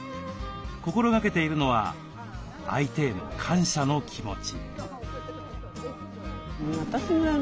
心がけているのは相手への感謝の気持ち。